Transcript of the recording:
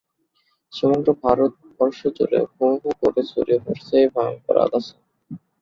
সমগ্র ভারতবর্ষ জুড়ে হু-হু করে ছড়িয়ে পড়ছে এই ভয়ংকর আগাছা।